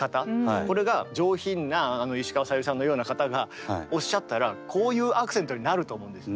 これが上品なあの石川さゆりさんのような方がおっしゃったらこういうアクセントになると思うんですよね。